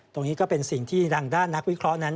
ก็เป็นสิ่งที่ทางด้านนักวิเคราะห์นั้น